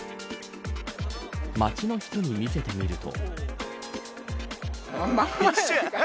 街の人に見せてみると。